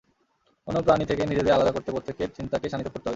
অন্য প্রাণী থেকে নিজেদের আলাদা করতে প্রত্যেকের চিন্তাকে শাণিত করতে হবে।